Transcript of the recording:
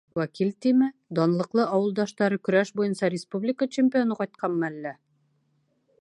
Вәкил тиме, данлыҡлы ауылдаштары, көрәш буйынса республика чемпионы ҡайтҡанмы әллә?